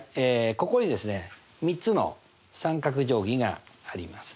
ここに３つの三角定規がありますね。